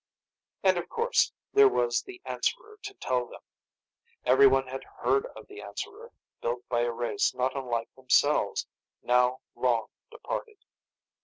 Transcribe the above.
And of course, there was the Answerer to tell them. Everyone had heard of the Answerer, built by a race not unlike themselves, now long departed.